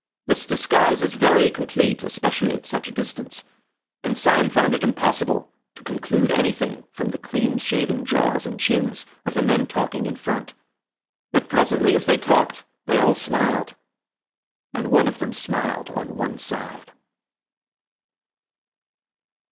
This disguise is very complete, especially at such a distance, and Syme found it impossible to conclude anything from the clean shaven jaws and chins of the men talking in the front. But presently as they talked they all smiled and one of them smiled on one side.